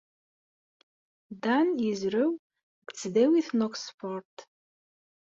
Dan yezrew deg Tesdawit n Oxford.